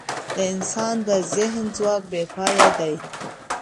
د انسان د ذهن ځواک بېپایه دی.